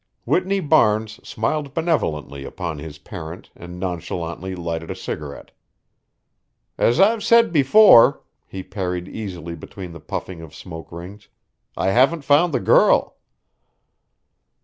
Whitney Barnes smiled benevolently upon his parent and nonchalantly lighted a cigarette. "As I've said before," he parried easily between the puffing of smoke rings, "I haven't found the girl."